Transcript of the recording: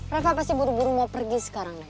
rafa pasti buru buru mau pergi sekarang mas